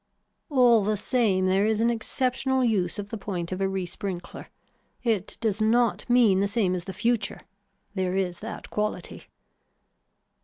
All the same there is an exceptional use of the point of a resprinkler. It does not mean the same as the future. There is that quality.